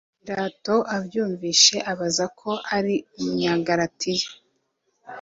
Pilato abyumvise abaza ko ari Umunyagalilaya